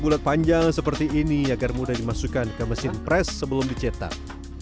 bulat panjang seperti ini agar mudah dimasukkan ke mesin pres sebelum dicetak